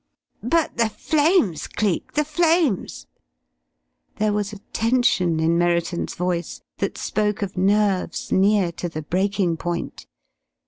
"But the flames, Cleek, the flames!" There was a tension in Merriton's voice that spoke of nerves near to the breaking point.